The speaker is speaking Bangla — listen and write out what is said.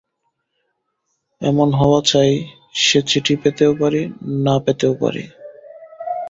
এমন হওয়া চাই–সে চিঠি পেতেও পারি, না পেতেও পারি।